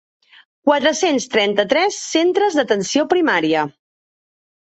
Quatre-cents trenta-tres centres d'atenció primària.